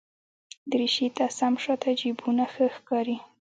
دریشي ته سم شاته جېبونه ښه ښکاري.